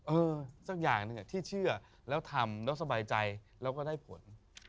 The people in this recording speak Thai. สักอย่างหนึ่งที่เชื่อแล้วทำแล้วสบายใจแล้วก็ได้ผล